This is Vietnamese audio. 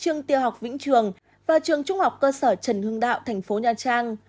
trường tiêu học vĩnh trường và trường trung học cơ sở trần hưng đạo thành phố nha trang